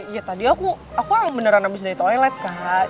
ya tadi aku beneran habis dari toilet kak